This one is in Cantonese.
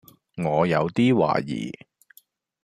我有啲懷疑